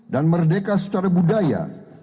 dan merdeka secara budaya